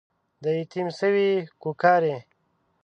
د يتيم سوې کوکارې